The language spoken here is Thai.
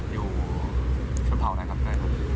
อยู่ช่วงเผ่าไหนครับเต้ยครับ